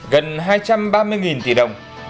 gần hai trăm ba mươi tỷ đồng